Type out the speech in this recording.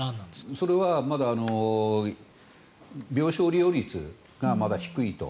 それはまだ病床使用率がまだ低いと。